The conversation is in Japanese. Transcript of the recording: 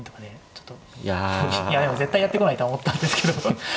絶対やってこないとは思ったんですけど。